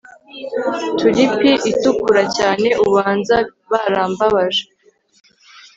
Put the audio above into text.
tulipi itukura cyane ubanza, barambabaje